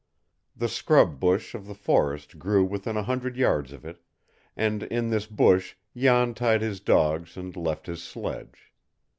The scrub bush of the forest grew within a hundred yards of it, and in this bush Jan tied his dogs and left his sledge.